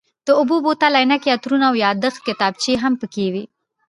د اوبو بوتل، عینکې، عطرونه او یادښت کتابچې هم پکې وې.